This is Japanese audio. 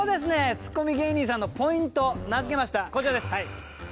ツッコミ芸人さんのポイント名付けましたこちらです。